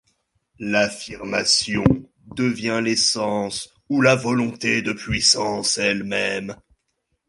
L'affirmation devient l'essence ou la volonté de puissance elle-même.